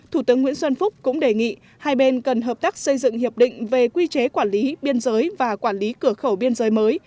thủ tướng nguyễn xuân phúc cũng đề nghị hai bên cần hợp tác xây dựng hiệp định về quy chế quản lý biên giới và quản lý cửa khẩu biên giới mới